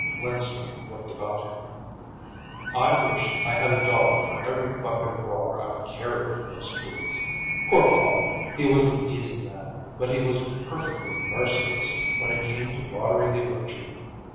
Linstrum looked about him. "I wish I had a dollar for every bucket of water I've carried for those trees. Poor father, he was an easy man, but he was perfectly merciless when it came to watering the orchard."